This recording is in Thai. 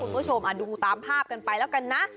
คุณผู้ชมดูตามภาพกันไปแล้วกันนะ